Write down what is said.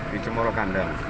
di jemur kandang